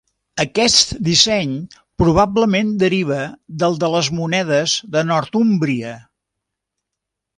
Aquest disseny probablement deriva del de les monedes de Northúmbria.